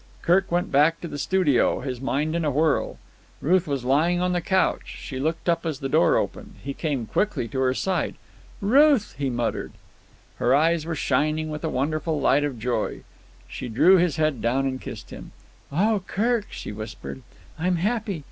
Kirk went back to the studio, his mind in a whirl. Ruth was lying on the couch. She looked up as the door opened. He came quickly to her side. "Ruth!" he muttered. Her eyes were shining with a wonderful light of joy. She drew his head down and kissed him. "Oh, Kirk," she whispered. "I'm happy.